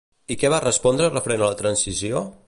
I què va respondre referent a la transició?